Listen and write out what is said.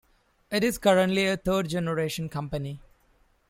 It is currently a third generation company.